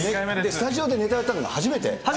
スタジオでネタやったのが初めて？